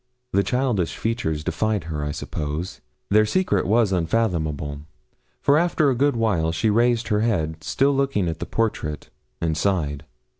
The childish features defied her, I suppose; their secret was unfathomable, for after a good while she raised her head, still looking at the portrait, and sighed.